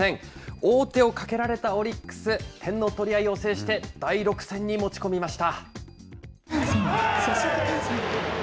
王手をかけられたオリックス、点の取り合いを制して、第６戦に持ち込みました。